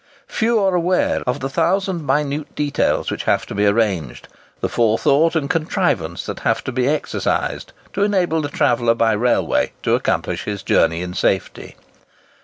Few are aware of the thousand minute details which have to be arranged—the forethought and contrivance that have to be exercised—to enable the traveller by railway to accomplish his journey in safety.